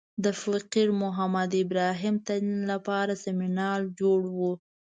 د فقیر محمد ابراهیم تلین لپاره سمینار جوړ و.